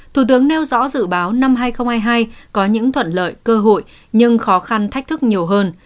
thủ tướng nêu rõ dự báo năm hai nghìn hai mươi hai có những thuận lợi cơ hội nhưng khó khăn thách thức nhiều hơn